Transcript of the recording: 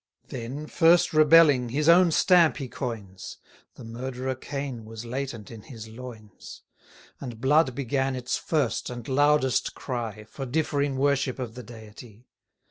Then, first rebelling, his own stamp he coins; The murderer Cain was latent in his loins: And blood began its first and loudest cry, 280 For differing worship of the Deity.